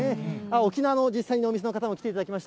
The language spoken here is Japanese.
沖縄の実際のお店の方も来ていただきました。